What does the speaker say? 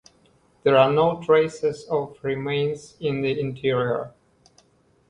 There are no traces of remains in the interior.